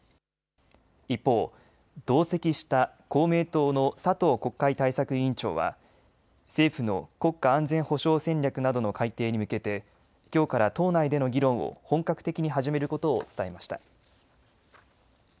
一方、同席した公明党の佐藤国会対策委員長は、政府の国家安全保障戦略などの改定に向けてきょうから党内での議論を本格的に始めることを伝えました。